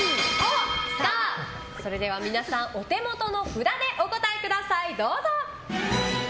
それでは皆さんお手元の札でお答えください。